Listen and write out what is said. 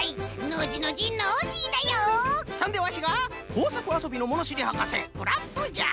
そんでワシがこうさくあそびのものしりはかせクラフトじゃ！